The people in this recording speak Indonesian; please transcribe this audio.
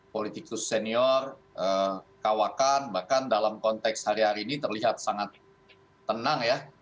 politikus senior kawakan bahkan dalam konteks hari hari ini terlihat sangat tenang ya